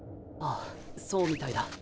ああそうみたいだ。